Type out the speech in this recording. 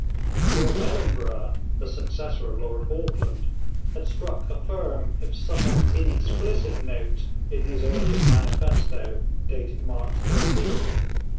Lord Ellenborough, the successor of Lord Auckland, had struck a firm if somewhat inexplicit note in his earliest manifesto, dated March 13th.